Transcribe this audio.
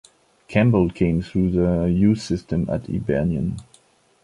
Campbell came through the youth system at Hibernian.